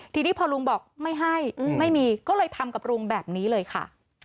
ทีนี้พอลุงบอกไม่ให้ไม่มีก็เลยทำกับลุงแบบนี้เลยค่ะ